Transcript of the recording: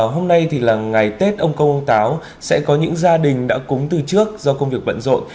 hôm nay thì là ngày tết ông công ông táo sẽ có những gia đình đã cúng từ trước do công việc bận rộn